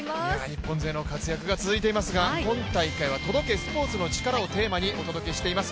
日本勢の活躍が続いていますが、今大会は「届け、スポーツのチカラ」をテーマにお届けしています。